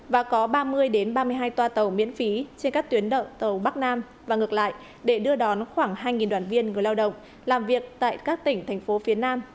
và có ba mươi ba mươi hai toa tàu miễn phí trên các tuyến đợi tàu bắc nam và ngược lại để đưa đón khoảng hai đoàn viên người lao động làm việc tại các tỉnh thành phố phía nam